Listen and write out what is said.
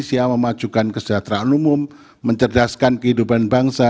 indonesia memajukan kesejahteraan umum mencerdaskan kehidupan bangsa